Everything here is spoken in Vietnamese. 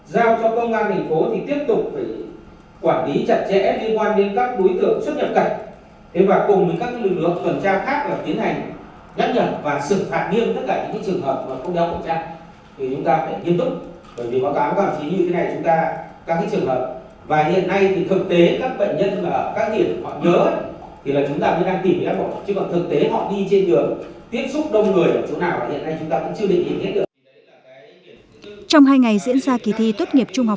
giao cho công an thành phố thì tiếp tục phải quản lý chặt chẽ liên quan đến các đối tượng xuất nhập cạnh